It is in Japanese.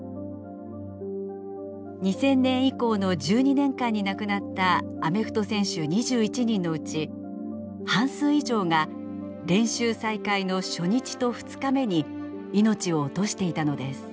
２０００年以降の１２年間に亡くなったアメフト選手２１人のうち半数以上が練習再開の初日と２日目にいのちを落としていたのです。